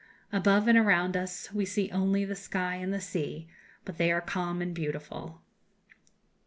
Above and around us we see only the sky and the sea, but they are calm and beautiful."